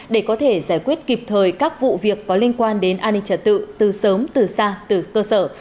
để có thể giải quyết kịp thời các vụ việc có liên quan đến an ninh trật tự từ sớm từ xa từ cơ sở